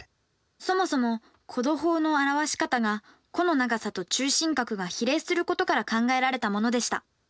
そもそも弧度法の表し方が弧の長さと中心角が比例することから考えられたものでした。